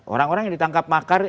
orang orang yang ditangkap makar